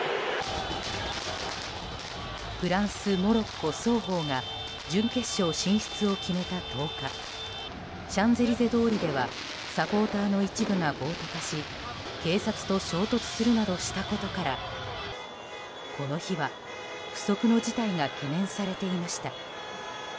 フランス、モロッコ双方が準決勝進出を決めた１０日シャンゼリゼ通りではサポーターの一部が暴徒化し警察と衝突するなどしたことからこの日は不測の事態が懸念されていました。